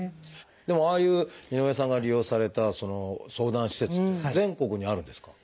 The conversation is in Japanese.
でもああいう井上さんが利用された相談施設っていうのは全国にあるんですか？